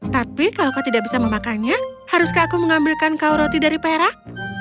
tapi kalau kau tidak bisa memakannya haruskah aku mengambilkan kau roti dari perak